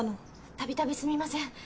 たびたびすみません。